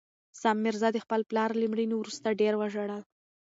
سام میرزا د خپل پلار له مړینې وروسته ډېر وژړل.